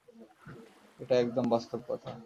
এটা একদম বাস্তব কথা।